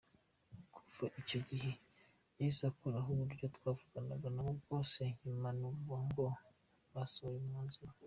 Kuva icyo gihe yahise akuraho uburyo twavuganagamo bwose, nyuma numva ngo basohoye ‘Umwanzuro’.